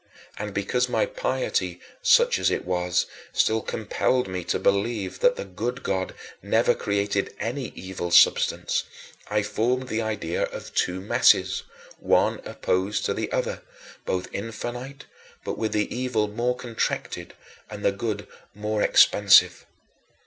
And because my piety such as it was still compelled me to believe that the good God never created any evil substance, I formed the idea of two masses, one opposed to the other, both infinite but with the evil more contracted and the good more expansive.